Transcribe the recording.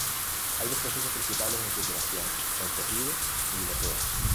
Hay dos procesos principales en su creación: el tejido y bloqueo.